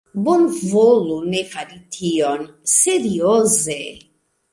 Bonvolu ne fari tion. Serioze!